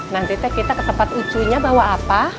nanti kita ke tempat ucunya bawa apa